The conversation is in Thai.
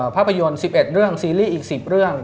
ภาพยนตร์๑๑เรื่องซีรีส์อีก๑๐เรื่อง